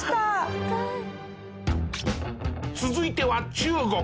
続いては中国。